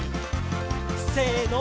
せの。